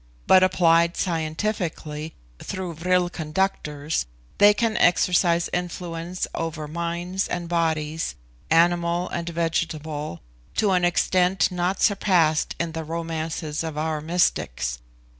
but applied scientifically, through vril conductors, they can exercise influence over minds, and bodies animal and vegetable, to an extent not surpassed in the romances of our mystics.